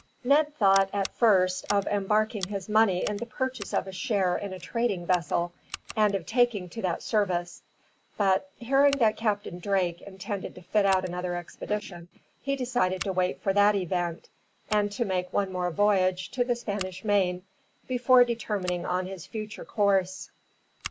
Ned thought, at first, of embarking his money in the purchase of a share in a trading vessel, and of taking to that service; but, hearing that Captain Drake intended to fit out another expedition, he decided to wait for that event, and to make one more voyage to the Spanish main, before determining on his future course.